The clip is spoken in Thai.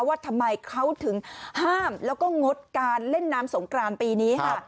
ว่าทำไมเขาถึงห้ามแล้วก็งดการเล่นน้ำสงกรานปีนี้ค่ะ